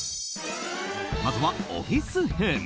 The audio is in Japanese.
まずは、オフィス編。